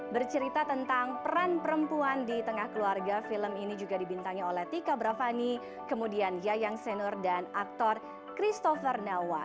bercerita tentang peran perempuan di tengah keluarga film ini juga dibintangi oleh tika brafani kemudian yayang senior dan aktor christopher nelwa